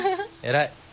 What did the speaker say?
偉い。